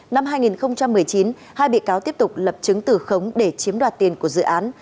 năm hai nghìn một mươi chín hai bị cáo tiếp tục lập chứng tử khống để chiếm đoạt tiền của dự án